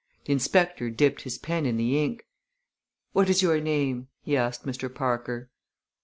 The inspector dipped his pen in the ink. "What is your name?" he asked Mr. Parker.